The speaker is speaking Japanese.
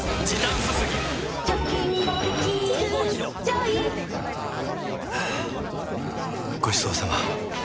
はぁごちそうさま！